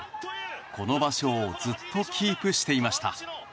この場所をずっとキープしていました。